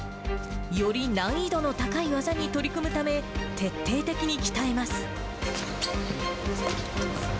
より難易度の高い技に取り組むため、徹底的に鍛えます。